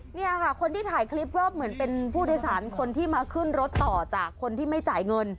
เนี่ยค่ะคนที่ถ่ายคลิปก็เหมือนเป็นผู้โดยสารคนที่มาขึ้นรถต่อจากคนที่ไม่จ่ายเงิน